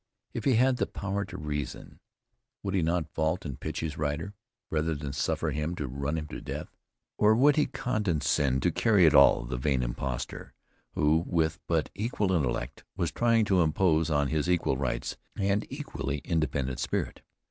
If he had the power to reason, would he not vault and pitch his rider, rather than suffer him to run him to death? Or would he condescend to carry at all the vain imposter, who, with but equal intellect, was trying to impose on his equal rights and equally independent spirit?